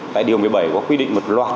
tại điều một mươi bảy có quy định một loạt